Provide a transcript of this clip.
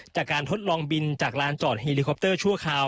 จะการทดลองบินจากร้านจอดเฮลีคอปเตอร์ชั่วขาว